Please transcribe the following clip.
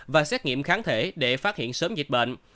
và xét nghiệm kháng thể để phát hiện sớm dịch bệnh